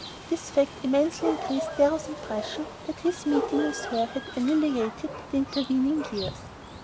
This fact immensely increased Darrow's impression that his meeting with her had annihilated the intervening years.